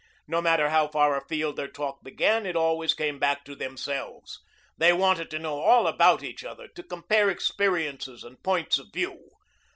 No matter how far afield their talk began, it always came back to themselves. They wanted to know all about each other, to compare experiences and points of view.